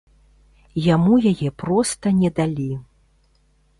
Яму яе проста не далі.